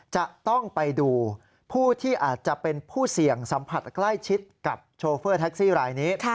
จะต้องไปดูผู้ที่อาจจะเป็นผู้เสี่ยงสัมผัสใกล้ชิดกับโชเฟอร์แท็กซี่รายนี้